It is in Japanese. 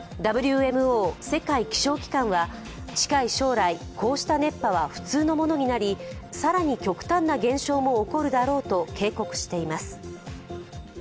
ＷＭＯ＝世界気象機関は近い将来、こうした熱波は普通のものになり、更に極端な現象も起こるだろうと警告しています。